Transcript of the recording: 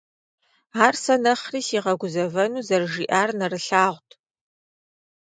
Ар сэ нэхъри сигъэгузэвэну зэрыжиӀар нэрылъагъут.